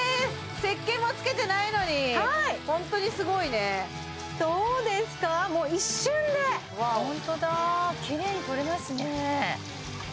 せっけんもつけてないのにホントにすごいねどうですかもう一瞬でホントだきれいにとれますね